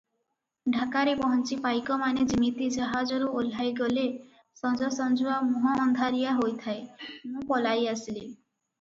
ଢାକାରେ ପହଞ୍ଚି ପାଇକମାନେ ଯିମିତି ଜାହାଜରୁ ଓହ୍ଲାଇଗଲେ, ସଞ୍ଜସଞ୍ଜୁଆ ମୁହଁଅନ୍ଧାରିଆ ହୋଇଥାଏ ମୁଁ ପଳାଇ ଆସିଲି ।